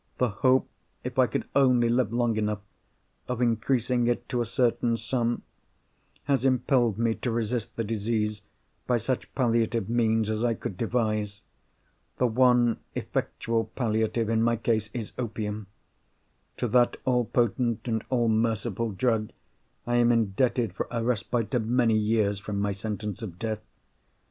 The hope, if I could only live long enough, of increasing it to a certain sum, has impelled me to resist the disease by such palliative means as I could devise. The one effectual palliative in my case, is—opium. To that all potent and all merciful drug I am indebted for a respite of many years from my sentence of death.